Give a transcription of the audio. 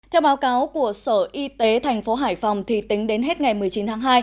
theo báo cáo của sở y tế thành phố hải phòng thì tính đến hết ngày một mươi chín tháng hai